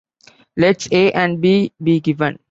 Let "a" and "b" be given.